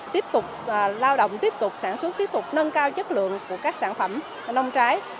tiếp tục lao động tiếp tục sản xuất tiếp tục nâng cao chất lượng của các sản phẩm nông trái